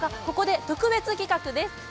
ここで特別企画です。